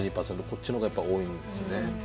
こっちの方がやっぱり多いんですね。